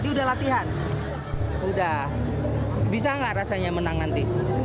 udah bisa gak rasanya menang nanti